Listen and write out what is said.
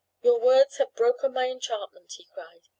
"Your words have broken my enchantment!" he cried.